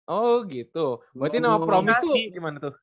oh gitu berarti nama prom itu gimana tuh